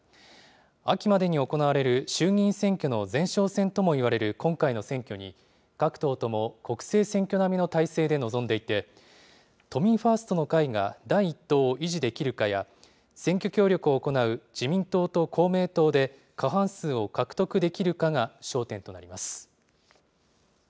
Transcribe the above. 秋までに行われる衆議院選挙の前哨戦ともいわれる今回の選挙に、各党とも国政選挙並みの態勢で臨んでいて、都民ファーストの会が第１党を維持できるかや、選挙協力を行う自民党と公明党で、過半数を獲得できるかが焦点となります。